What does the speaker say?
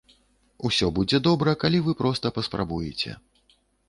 Усё будзе добра, калі вы проста паспрабуеце.